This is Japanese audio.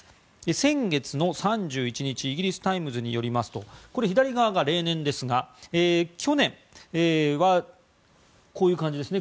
先月３１日、イギリスタイムズによりますとこれは左側が例年ですが去年はこういう感じですね